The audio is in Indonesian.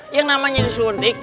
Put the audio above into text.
yang namanya disuntik